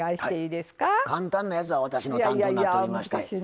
簡単なやつは私の担当になっておりまして。